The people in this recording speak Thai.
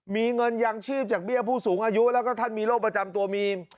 มีเงินยางชีพจากเบี้ยผู้สูงอายุแล้วก็ท่านมีโรคประจำตัวมี